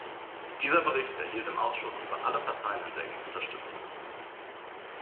Dieser Bericht erhielt im Ausschuss über alle Parteien hinweg Unterstützung.